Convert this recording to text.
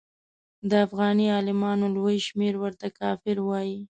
د افغاني عالمانو لوی شمېر ورته کافر وایه.